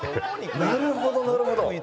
なるほどなるほど。